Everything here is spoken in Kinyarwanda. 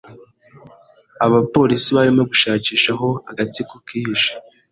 Abapolisi barimo gushakisha aho agatsiko kihishe.